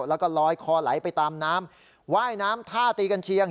แล้วก็ลอยคอไหลไปตามน้ำว่ายน้ำท่าตีกันเชียง